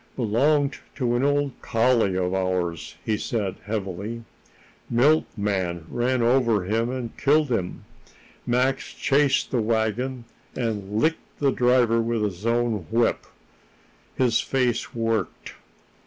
"Belonged to an old collie of ours," he said heavily. "Milkman ran over him and killed him. Max chased the wagon and licked the driver with his own whip." His face worked.